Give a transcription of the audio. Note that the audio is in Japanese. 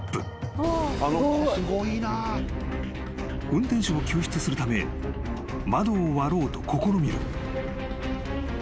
［運転手を救出するため窓を割ろうと試みる］